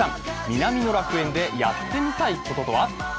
南の楽園でやってみたいこととは？